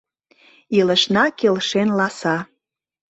Илышна келшен ласа